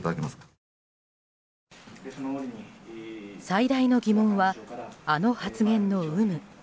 最大の疑問はあの発言の有無。